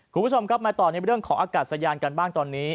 คุณผู้ชมครับมาต่อในเรื่องของอากาศยานกันบ้างตอนนี้